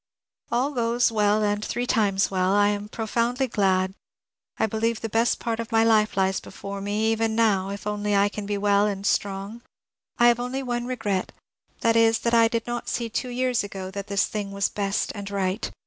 All goes well and three times welL I am profoundly glad. I believe the best part of my life lies before me, even now, if only I can be well and strong. I have only one r^rot ; that is, that I did not see two years ago that this thing was best and right.